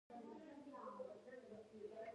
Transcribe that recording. د امیدوارۍ د فشار لپاره باید څه وکړم؟